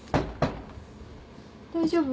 ・・大丈夫？